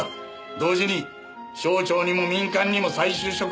同時に省庁にも民間にも再就職口を確保出来る。